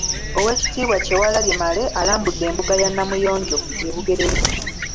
Oweekitiibwa Kyewalabye Male alambudde embuga ya Namuyonjo e Bugerere.